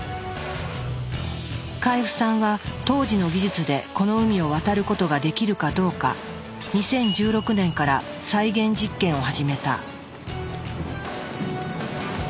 海部さんは当時の技術でこの海を渡ることができるかどうか２０１６年から再現実験を始めた。